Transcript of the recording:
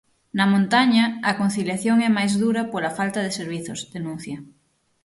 "Na montaña, a conciliación é máis dura pola falta de servizos", denuncia.